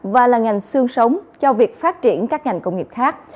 và là ngành xương sống cho việc phát triển các ngành công nghiệp khác